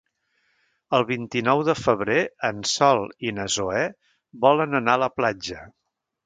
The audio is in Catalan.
El vint-i-nou de febrer en Sol i na Zoè volen anar a la platja.